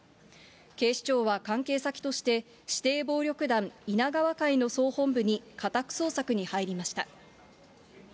警視庁は、関係先として、指定暴力団稲川会の総本部に家宅捜索に入りました。